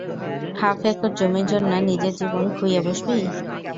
Half acre জমির জন্য নিজের জীবন খুইয়ে বসবি।